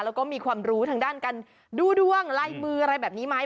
แล้วก็มีความรู้ทางด้านการดูดวงลายมืออะไรแบบนี้ไหม